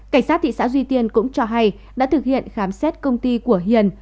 cảnh sát thị xã duy tiên cũng cho hay đã thực hiện khám xét công ty của hiền